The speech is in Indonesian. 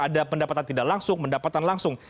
ada pendapatan tidak langsung pendapatan langsung